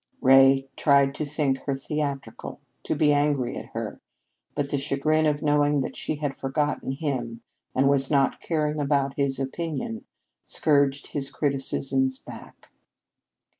Ray tried to think her theatrical, to be angry at her, but the chagrin of knowing that she had forgotten him, and was not caring about his opinion, scourged his criticisms back.